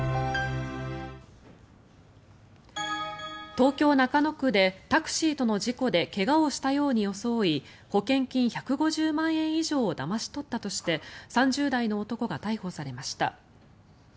東京・中野区でタクシーとの事故で怪我をしたように装い保険金１５０万円以上をだまし取ったとして３０代の男が逮捕されました。